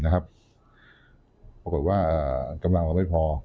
ปรากฏว่ากำลังเราไม่พอ